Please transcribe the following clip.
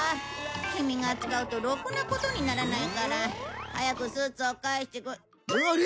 キミが扱うとろくなことにならないから早くスーツを返してあれ？